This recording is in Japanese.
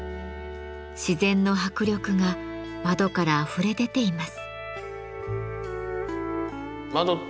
自然の迫力が窓からあふれ出ています。